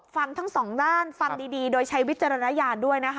ฟังทั้งสองด้านฟังดีโดยใช้วิจารณญาณด้วยนะคะ